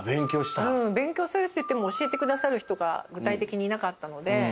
勉強するっていっても教えてくださる人が具体的にいなかったので。